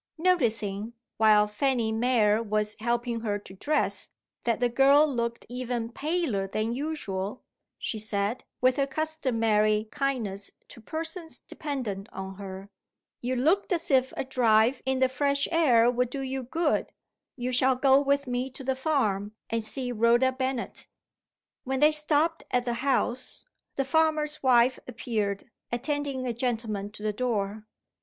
Noticing, while Fanny Mere was helping her to dress, that the girl looked even paler than usual, she said, with her customary kindness to persons dependent on her, "You look as if a drive in the fresh air would do you good you shall go with me to the farm, and see Rhoda Bennet." When they stopped at the house, the farmer's wife appeared, attending a gentleman to the door.